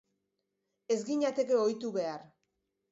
Ez ginateke ohitu behar.